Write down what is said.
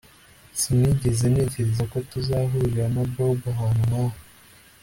Sinigeze ntekereza ko tuzahurira na Bobo ahantu nkaha